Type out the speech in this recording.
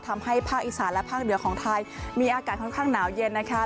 ภาคอีสานและภาคเหนือของไทยมีอากาศค่อนข้างหนาวเย็นนะคะ